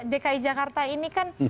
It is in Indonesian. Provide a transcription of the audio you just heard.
dki jakarta ini kan